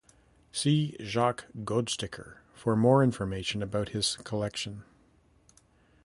See Jacques Goudstikker for more information about his collection.